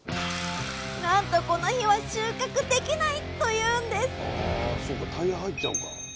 なんとこの日は収穫できないというんですあそうかタイヤ入っちゃうか。